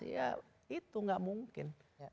ya itu nggak mungkin